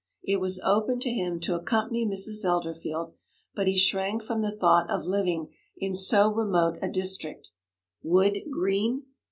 It was open to him to accompany Mrs. Elderfield, but he shrank from the thought of living in so remote a district. Wood Green!